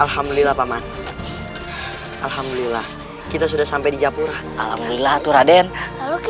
hidup balapati hidup balapati